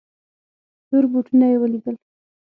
تور بوټونه یې ولیدل.